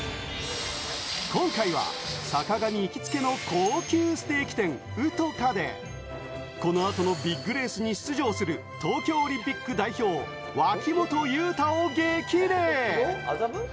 今回は坂上行きつけの高級ステーキ店・ＵＴＯＫＡで、この後のビッグレースに出場する東京オリンピック代表・脇本雄太を激励！